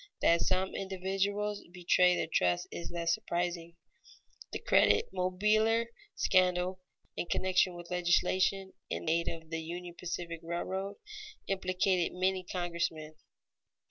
That some individuals betray their trust is less surprising. The Credit Mobilier scandal, in connection with legislation in aid of the Union Pacific Railroad, implicated many congressmen.